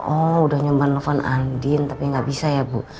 oh udah nyoba telfon andin tapi gak bisa ya bu